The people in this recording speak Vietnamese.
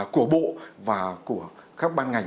của bộ và các ban ngành